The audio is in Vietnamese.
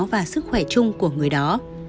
và mức khỏe chung của người đó